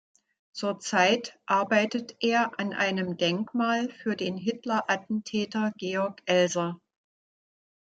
Zurzeit arbeitet er an einem Denkmal für den Hitler-Attentäter Georg Elser.